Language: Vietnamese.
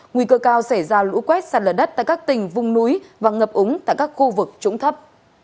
nguy cơ cao xảy ra lũ quét sạt lở đất tại các tỉnh vùng núi và ngập úng tại các khu vực trũng thấp